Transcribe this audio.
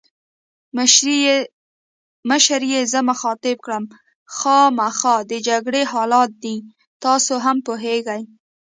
مشرې یې زه مخاطب کړم: خامخا د جګړې حالات دي، تاسي هم پوهېږئ.